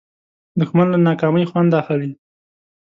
دښمن له ناکامۍ خوند اخلي